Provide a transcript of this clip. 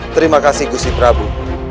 terima kasih gusti prabu